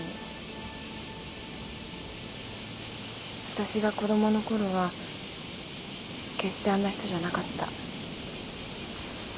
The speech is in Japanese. わたしが子供のころは決してあんな人じゃなかった。